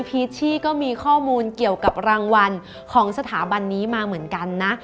ชชี่ก็มีข้อมูลเกี่ยวกับรางวัลของสถาบันนี้มาเหมือนกันนะ